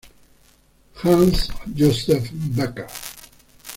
Hans-Josef Becker.